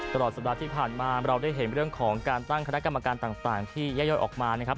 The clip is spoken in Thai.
ตลอดสัปดาห์ที่ผ่านมาเราได้เห็นเรื่องของการตั้งคณะกรรมการต่างที่ย่อยออกมานะครับ